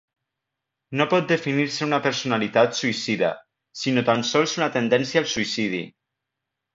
No pot definir-se una personalitat suïcida, sinó tan sols una tendència al suïcidi.